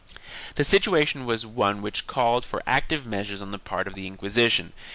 The situation was one which called for active measures on the part of the Inquisition.